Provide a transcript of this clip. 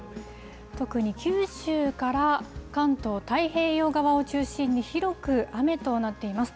特に九州から関東、太平洋側を中心に、広く雨となっています。